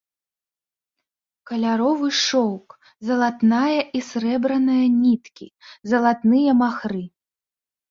Каляровы шоўк, залатная і срэбраная ніткі, залатныя махры.